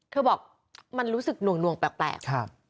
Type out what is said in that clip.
เธอบอกมันรู้สึกนวงแปลก